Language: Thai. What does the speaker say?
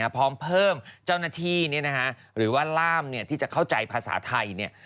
พร้อมเพิ่มเจ้าหน้าที่หรือว่าล่ามที่จะเข้าใจภาษาไทย